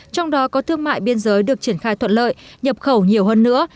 trong đó có thương mại biên giới được triển khai thuận lợi nhập khẩu nhiều hơn nữa